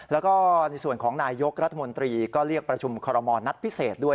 แล้วก็ในส่วนของนายยกรัฐมนตรีก็เรียกประชุมคอรมอลนัดพิเศษด้วย